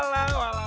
langsung di hareng